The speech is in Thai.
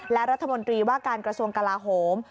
และรัฐมนตรีว่าการกระทรวงกลาโหม